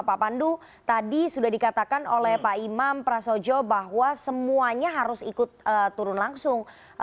pak pandu tadi sudah dikatakan oleh pak imam prasojo bahwa semuanya harus ikut turun langsung